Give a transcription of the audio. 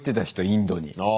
インドに。